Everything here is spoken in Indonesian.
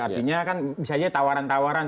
artinya kan bisa aja tawaran tawaran